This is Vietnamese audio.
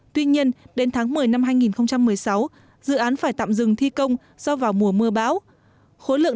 tuy nhiên đến tháng một mươi năm hai nghìn một mươi sáu dự án phải tạm dừng thi công do vào mùa mưa bão